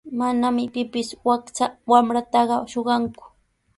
Manami pipis wakcha wamrataqa shuqanku.